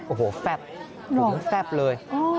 โอ้โหแฟบถุงแฟบเลย